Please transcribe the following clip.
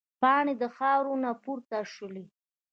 پاڼې د خاورو نه پورته شولې.